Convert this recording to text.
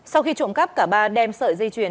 sau khi trộm cắp cả ba đem sợi dây chuyền